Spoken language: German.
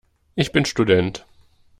Ich bin Student.